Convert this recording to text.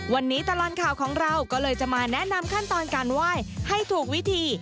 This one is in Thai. วันนี้ตลอดข่าวของเราก็เลยจะมาแนะนำขั้นตอนการไหว้ให้ถูกวิธี